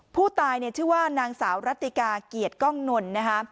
ผู้ตายชื่อว่านางสาวรัตติกาเกียรติก้องนล